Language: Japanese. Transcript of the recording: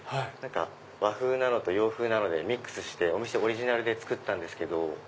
和風と洋風でミックスしてお店オリジナルで作ったんです。